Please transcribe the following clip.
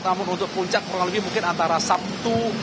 namun untuk puncak kurang lebih mungkin antara sabtu